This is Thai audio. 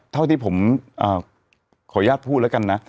เท่าที่ผมขออนุญาตพูดแล้วกันนะ